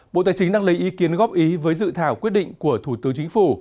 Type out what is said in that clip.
bộ tài chính đang lấy ý kiến góp ý với dự thảo quyết định của thủ tướng chính phủ